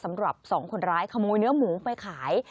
สำหรับ๒คนร้ายขโมยเนื้อหมูไปขาย